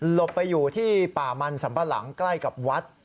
หลบไปอยู่ที่ป่ามันสัมบลังค์ใกล้วัด